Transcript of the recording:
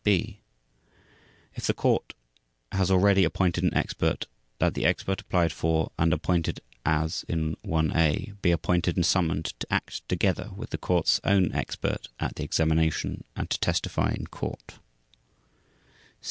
B. If the Court has already appointed an expert, that the expert applied for and appointed as in I A. be appointed and summoned to act together with the Court's own expert at the examination, and to testify in Court.